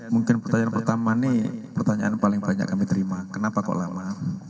mungkin pertanyaan pertama nih pertanyaan paling banyak kami terima kenapa kok lama